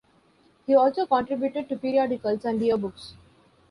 He also contributed to periodicals and year books.